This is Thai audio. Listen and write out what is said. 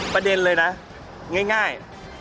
ประเด็นเลยนะง่าย